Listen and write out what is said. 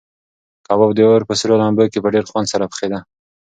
کباب د اور په سرو لمبو کې په ډېر خوند سره پخېده.